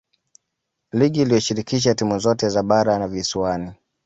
ligi iliyoshirikisha timu zote za bara na visiwani